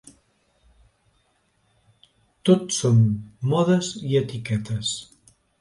Tot són modes i etiquetes.